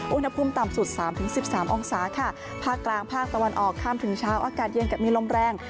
อุณหภูมิต่ำสุดสามถึงสิบสามองศาค่ะภาคกลางภาคตะวันออกข้ามถึงเช้าอากาศเย็นกับมีลมแรง